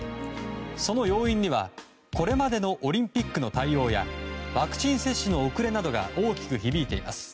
その要因にはこれまでのオリンピックの対応やワクチン接種の遅れなどが大きく響いています。